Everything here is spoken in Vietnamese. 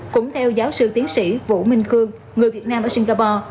cũng theo giáo sư tiến sĩ vũ minh khương người việt nam ở singapore